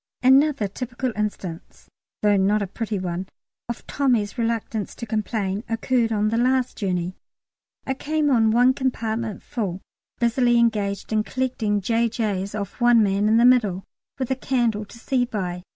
Another typical instance (though not a pretty one) of Tommy's reluctance to complain occurred on the last journey. I came on one compartment full, busily engaged in collecting J.J.'s off one man in the middle, with a candle to see by.